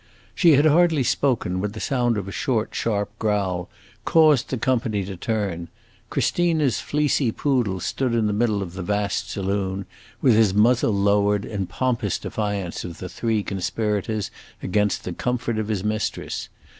She had hardly spoken when the sound of a short, sharp growl caused the company to turn. Christina's fleecy poodle stood in the middle of the vast saloon, with his muzzle lowered, in pompous defiance of the three conspirators against the comfort of his mistress.